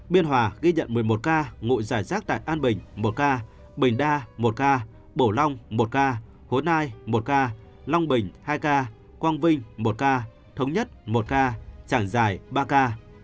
biên hòa ghi nhận một mươi một ca ngộ giải rác tại an bình một ca bình đa một ca bổ long một ca hố nai một ca long bình hai ca quang vinh một ca thống nhất một ca trảng dài ba ca